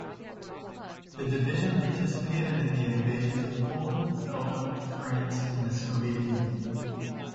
The division participated in the Invasions of Poland, Belgium, France and the Soviet Union.